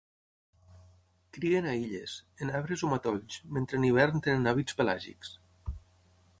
Crien a illes, en arbres o matolls, mentre en hivern tenen hàbits pelàgics.